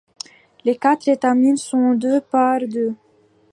Les quatre étamines sont deux par deux.